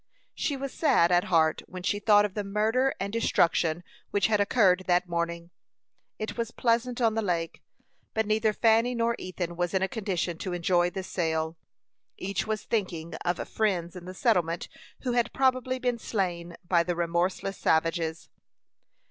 She was sad at heart when she thought of the murder and destruction which had occurred that morning. It was pleasant on the lake, but neither Fanny nor Ethan was in a condition to enjoy the sail. Each was thinking of friends in the settlement who had probably been slain by the remorseless savages.